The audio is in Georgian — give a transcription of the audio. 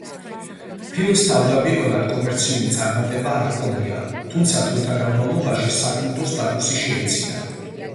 ფილმს თავდაპირველად კომერციული წარმატება არ ჰქონია, თუმცა დროთა განმავლობაში საკულტო სტატუსი შეიძინა.